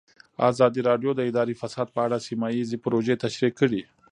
ازادي راډیو د اداري فساد په اړه سیمه ییزې پروژې تشریح کړې.